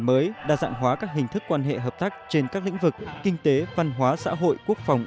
mới đa dạng hóa các hình thức quan hệ hợp tác trên các lĩnh vực kinh tế văn hóa xã hội quốc phòng